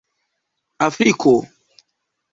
afriko